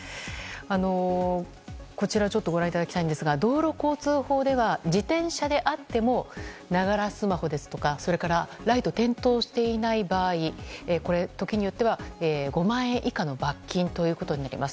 こちらをご覧いただきたいんですが道路交通法では自転車であってもながらスマホですとかライトが点灯していない場合時によっては５万円以下の罰金になります。